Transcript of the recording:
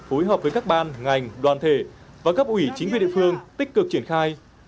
phối hợp với các ban ngành đoàn thể và cấp ủy chính quyền địa phương tích cực triển khai